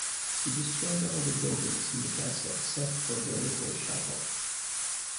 He destroyed all the buildings in the castle, except for the little chapel.